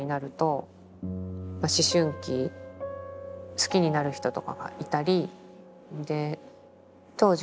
好きになる人とかがいたり。